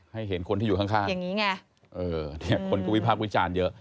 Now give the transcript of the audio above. ให้เห็นคนที่อยู่ข้างอย่างนี้ไงคนก็วิภาควิจารณ์เยอะ